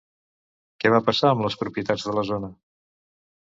Què va passar amb les propietats de la zona?